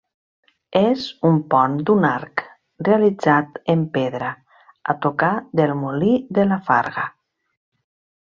És un pont d'un arc, realitzat en pedra, a tocar del Molí de la Farga.